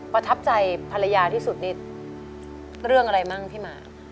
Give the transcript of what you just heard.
ประทับใจภรรยาที่สุดนี่เรื่องอะไรมั่งพี่หมา